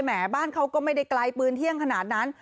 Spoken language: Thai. บ้านเขาก็ไม่ได้ไกลปืนเที่ยงขนาดนั้น